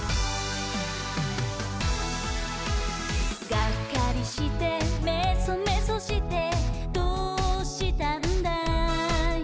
「がっかりしてめそめそしてどうしたんだい？」